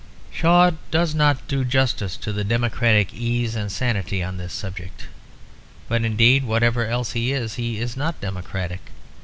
Shaw does not do justice to the democratic ease and sanity on this subject; but indeed, whatever else he is, he is not democratic.